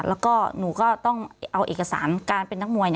แล้วก็หนูก็ต้องเอาเอกสารการเป็นนักมวย